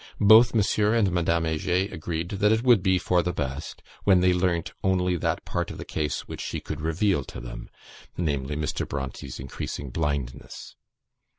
Both M. and Madame Heger agreed that it would be for the best, when they learnt only that part of the case which she could reveal to them namely, Mr. Bronte's increasing blindness.